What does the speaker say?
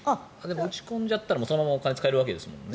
打ち込んじゃったらそのままお金を使えるわけですよね。